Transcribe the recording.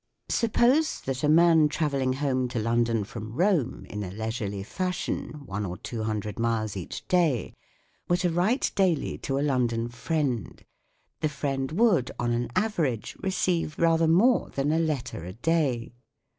Suppose that a man travelling home to London from Rome in a leisurely fashion, one or two hundred miles each day, were to write daily to a London friend ; the friend would, on an average, receive rather more than a letter a day.